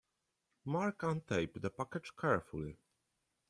Mark untaped the package carefully.